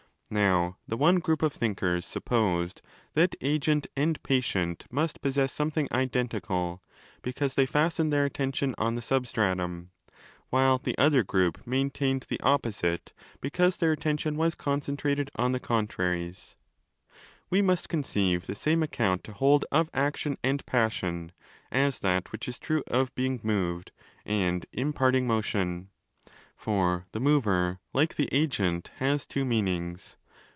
Now the one group of thinkers supposed that agent and patient must possess something identical, because they fastened their attention on the swdstratum: while the other group maintained the opposite because their attention was concentrated on the ' contraries'. We must conceive the same account to hold of action and passion as that which is true of 'being moved' and 'imparting motion'. For the 'mover', like the 'agent', has two meanings.